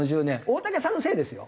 大竹さんのせいですよ。